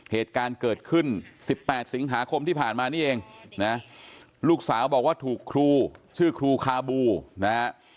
เหตุการณ์เกิดขึ้น๑๘สิงหาคมที่ผ่านมานี่เองนะลูกสาวบอกว่าถูกครูชื่อครูคาบูนะฮะ